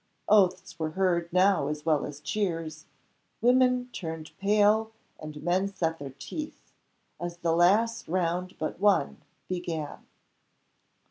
Oaths were heard now as well as cheers. Women turned pale and men set their teeth, as the last round but one began.